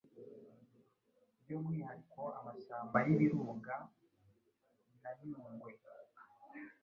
by’umwihariko amashyamba y’Ibirunga na Nyungwe